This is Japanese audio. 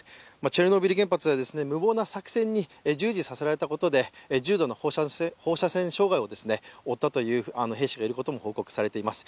チェルノブイリ原発では無謀な作戦に従事させられたことによって重度の放射線障害を負った兵士がいることも報告されています。